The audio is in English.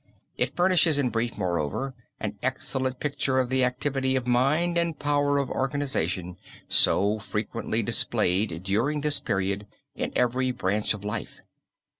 It furnishes in brief, moreover, an excellent picture of the activity of mind and power of organization so frequently displayed during this period in every branch of life.